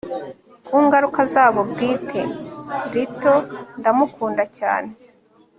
ku ngaruka zabo bwite, lithe ndamukunda cyane